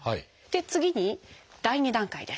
次に第２段階です。